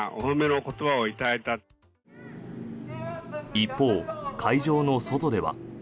一方、会場の外では。